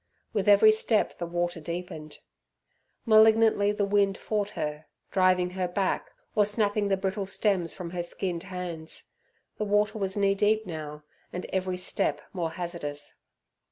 With every step the water deepened. Malignantly the wind fought her, driving her back, or snapping the brittle stems from her skinned hands. The water was knee deep now, and every step more hazardous.